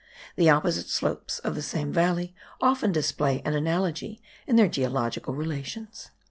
The opposite slopes of the same valley often display an analogy in their geological relations.